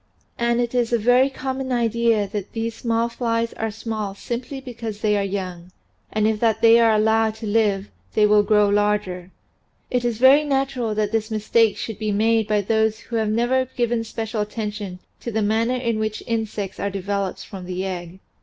And it is a very common idea that these small flies are small simply because they are young and that if they are allowed to live they will grow larger. It is very natural that this THAT DRAGON FLIES STING MEN 209 mistake should be made by those who have never given special attention to the manner in which insects are de veloped from the egg.